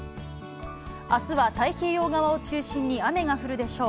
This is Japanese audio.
あすは太平洋側を中心に雨が降るでしょう。